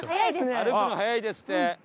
歩くの速いですって。